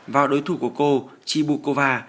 và đối thủ của cô chibukova